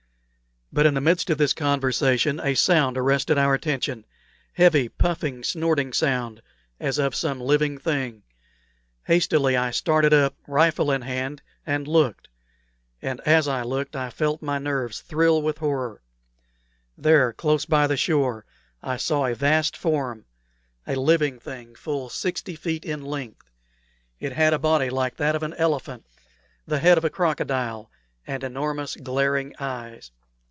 But in the midst of this conversation a sound arrested our attention heavy, puffing, snorting sound, as of some living thing. Hastily I started up, rifle in hand, and looked; and as I looked I felt my nerves thrill with horror. There, close by the shore, I saw a vast form a living thing full sixty feet in length. It had a body like that of an elephant, the head of a crocodile, and enormous glaring eyes.